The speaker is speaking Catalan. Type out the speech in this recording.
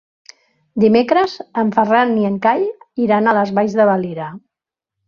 Dimecres en Ferran i en Cai iran a les Valls de Valira.